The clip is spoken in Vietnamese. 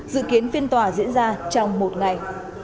dự kiến phiên tòa diễn ra trong một ngày